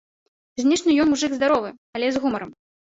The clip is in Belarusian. Знешне ён мужык здаровы, але з гумарам.